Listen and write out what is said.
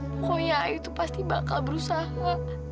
pokoknya ayu tuh pasti bakal berusaha